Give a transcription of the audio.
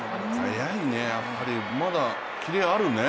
速いね、やっぱりまだキレあるね。